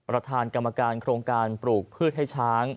ประธานกรรมการโครงการปลูกพืชให้ช้าง